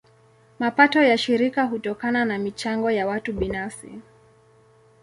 Mapato ya shirika hutokana na michango ya watu binafsi.